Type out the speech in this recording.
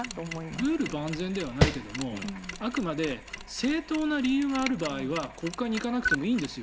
ルールは万全ではないけれどもあくまで正当な理由がある場合は国会に行かなくてもいいんですよ。